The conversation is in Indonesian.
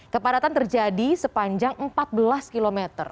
kepadatan terjadi sepanjang empat belas km